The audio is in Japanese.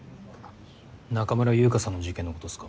中村優香さんの事件のことですか？